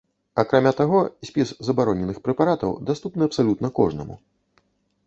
Акрамя таго, спіс забароненых прэпаратаў даступны абсалютна кожнаму.